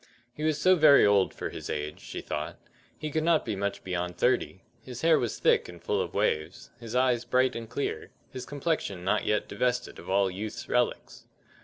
He was so very old for his age, she thought; he could not be much beyond thirty; his hair was thick and full of waves, his eyes bright and clear, his complexion not yet divested of all youth's relics.